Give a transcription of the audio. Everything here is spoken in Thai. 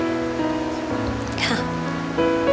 ค่ะ